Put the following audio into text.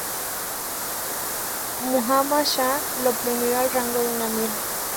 Muhammad Shah lo promovió al rango de un "Amir".